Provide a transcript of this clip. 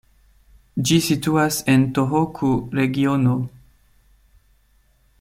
Ĝi situas en Tohoku-regiono.